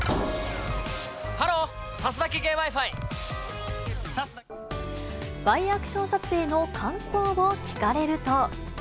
ハロー、ワイヤアクション撮影の感想を聞かれると。